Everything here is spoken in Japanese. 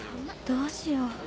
どうしよう。